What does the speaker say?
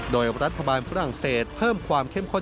โดยรัฐบาลฝรั่งเศสเพิ่มความเข้มข้น